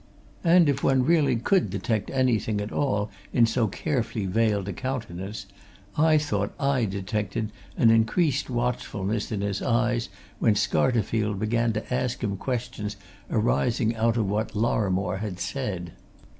And if one really could detect anything at all in so carefully veiled a countenance I thought I detected an increased watchfulness in his eyes when Scarterfield began to ask him questions arising out of what Lorrimore had said.